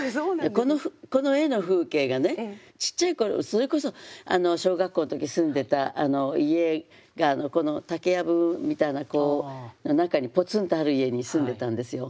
この絵の風景がねちっちゃい頃それこそ小学校の時住んでた家が竹やぶみたいな中にぽつんとある家に住んでたんですよ。